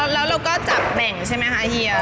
แล้วเราก็จับแบ่งใช่ไหมคะเฮีย